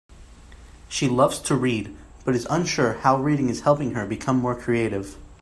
She loves to read, but is unsure how reading is helping her become more creative.